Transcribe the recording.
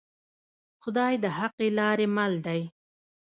خدای د حقې لارې مل دی